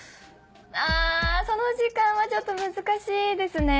あその時間はちょっと難しいですね。